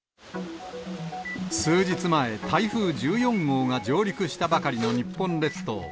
数日前、台風１４号が上陸したばかりの日本列島。